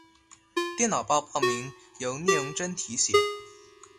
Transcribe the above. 电脑报报名由聂荣臻题写。